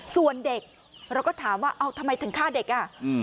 ส่วนเด็กเราก็ถามว่าเอาทำไมถึงฆ่าเด็กอ่ะ